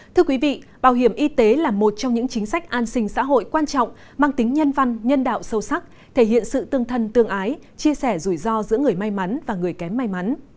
thưa quý vị bảo hiểm y tế là một trong những chính sách an sinh xã hội quan trọng mang tính nhân văn nhân đạo sâu sắc thể hiện sự tương thân tương ái chia sẻ rủi ro giữa người may mắn và người kém may mắn